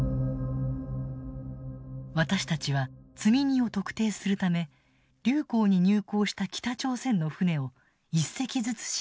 私たちは積み荷を特定するため竜口に入港した北朝鮮の船を一隻ずつ調べた。